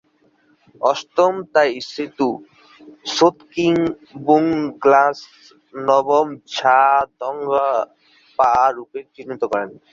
অষ্টম তা'ই-সি-তু ছোস-ক্যি-'ব্যুং-গ্নাস নবম ঝ্বা-দ্মার-পা রূপে চিহ্নিত করেন।